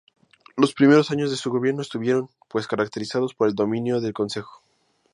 Los primeros años de su gobierno estuvieron, pues, caracterizados por el dominio del Consejo.